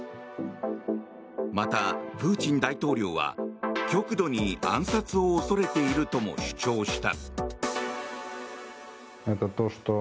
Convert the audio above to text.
また、プーチン大統領は極度に暗殺を恐れているとも主張した。